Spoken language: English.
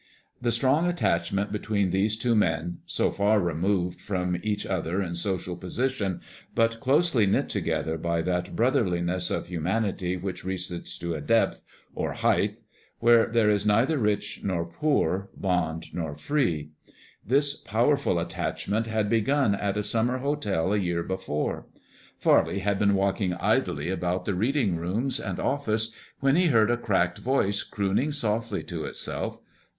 The strong attachment between these two men, so far removed from each other in social position, but closely knit together by that brotherliness of humanity which reaches to a depth or height where there is neither rich nor poor, bond nor free, this powerful attachment had begun at a summer hotel a year before. Farley had been walking idly about the reading rooms and office, when he heard a cracked voice crooning softly to itself.